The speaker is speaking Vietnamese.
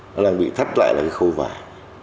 nó đang bị thắt lại là cái khâu vải